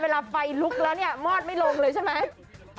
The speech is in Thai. เวลาไฟลุกแล้วเนี่ยมอดไม่ลงเลยใช่ไหม